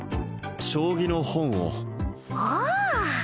将棋の本をほう！